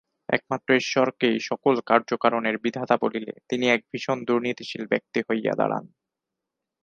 একমাত্র ঈশ্বরকেই সকল কার্য কারণের বিধাতা বলিলে তিনি এক ভীষণ দুর্নীতিশীল ব্যক্তি হইয়া দাঁড়ান।